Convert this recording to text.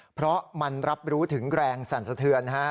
เพราะมันรับรู้ถึงแรงสั่นสะเทือน